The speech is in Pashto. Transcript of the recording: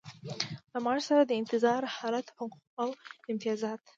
له معاش سره د انتظار حالت حقوق او امتیازات.